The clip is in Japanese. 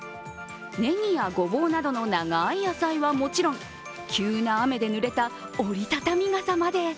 ねぎやごぼうなどの長い野菜はもちろん急な雨でぬれた折り畳み傘まで。